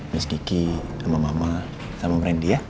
mas kiki sama mama sama brandi ya